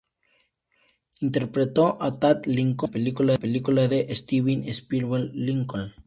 Interpretó a Tad Lincoln en la película de Steven Spielberg "Lincoln".